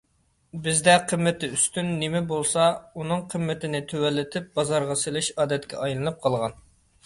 بىزدە قىممىتى ئۈستۈن نېمە بولسا ئۇنىڭ قىممىتىنى تۆۋەنلىتىپ بازارغا سېلىش ئادەتكە ئايلىنىپ قالغان.